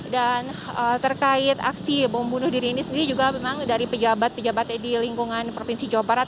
dan terkait aksi bom bunuh diri ini sendiri juga memang dari pejabat pejabat di lingkungan provinsi jawa barat